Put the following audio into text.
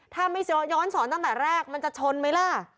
ถ้าไม่ย้อนสอนตั้งแต่แรกมันจะชนไหมล่ะ